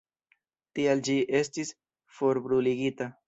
Tial ĝi estis forbruligita.